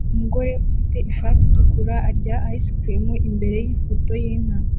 Umugore ufite ishati itukura arya ice cream imbere yifoto yinka